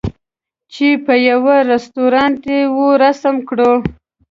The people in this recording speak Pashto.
چې په یوه رستوران یې وو رسم کړو.